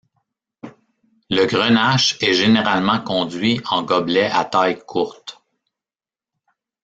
Le grenache est généralement conduit en gobelet à taille courte.